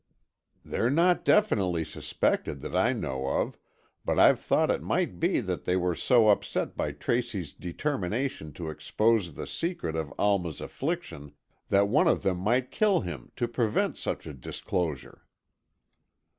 "They're not definitely suspected that I know of, but I've thought it might be that they were so upset by Tracy's determination to expose the secret of Alma's affliction, that one of them might kill him to prevent such a disclosure."